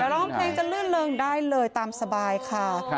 แต่ร้องเพลงจะลื่นเริงได้เลยตามสบายค่ะ